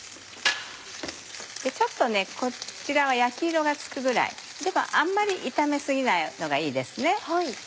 ちょっとこちらは焼き色がつくぐらいでもあんまり炒め過ぎないのがいいです。